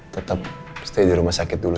tetap stay di rumah sakit dulu